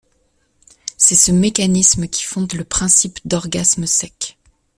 C'est ce mécanisme qui fonde le principe d'orgasme sec.